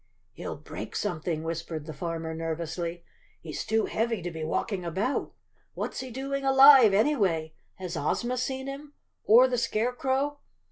"He'll break something," whispered the farmer nervously. "He's too heavy to be walking about. What's he doing alive anyway? Has Ozma seen him? Or the Scarecrow?